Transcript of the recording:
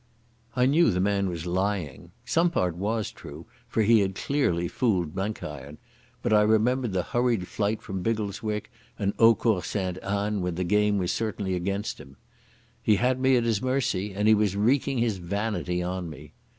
I knew the man was lying. Some part was true, for he had clearly fooled Blenkiron; but I remembered the hurried flight from Biggleswick and Eaucourt Sainte Anne when the game was certainly against him. He had me at his mercy, and was wreaking his vanity on me.